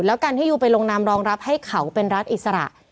แล้วการให้ยูไปลงนามรองรับให้เขาเป็นรัฐอิสระ